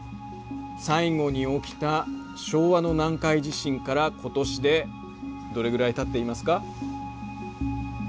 最後に起きた昭和の南海地震から今年でどれぐらいたっていますか？